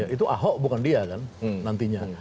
itu ahok bukan dia kan nantinya